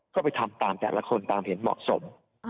ก็ไปทำตามแต่ละคนตามเห็นเหมาะสม